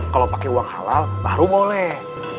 kalau pakai uang halal baru boleh